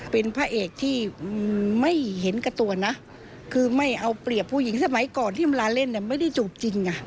เป็นพระเอกที่ไม่เห็นกับตัวนะคือไม่เอาเปรียบผู้หญิงสมัยก่อนที่เวลาเล่นไม่ได้จูบจริงไง